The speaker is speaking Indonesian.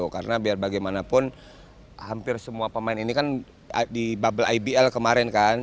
karena biar bagaimanapun hampir semua pemain ini kan di bubble ibl kemarin kan